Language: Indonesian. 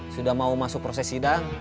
sudah mau masuk proses sidang